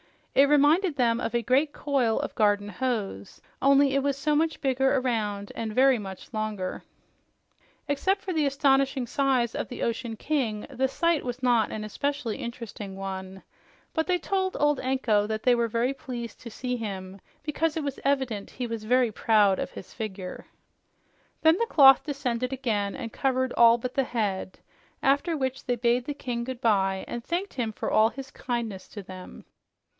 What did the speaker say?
It reminded them of a great coil of garden hose, only it was so much bigger around and very much longer. Except for the astonishing size of the Ocean King, the sight was not an especially interesting one, but they told old Anko that they were pleased to see him, because it was evident he was very fond of his figure. Then the cloth descended again and covered all but the head, after which they bade the king goodbye and thanked him for all his kindness to them.